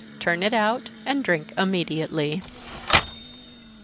Turn it out, and drink immediately.